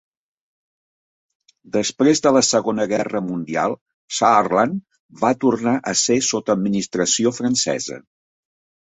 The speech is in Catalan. Després de la Segona Guerra Mundial, Saarland va tornar a ser sota administració francesa.